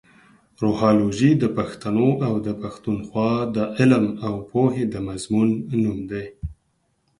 روهالوجي د پښتنو اٶ د پښتونخوا د علم اٶ پوهې د مضمون نوم دې.